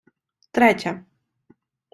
Третє